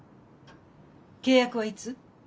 契約はいつ？